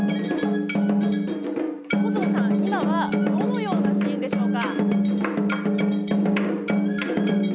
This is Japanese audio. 細野さん、今はどのようなシーンでしょうか？